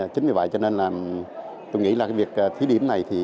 chính vì vậy cho nên tôi nghĩ việc thí điểm này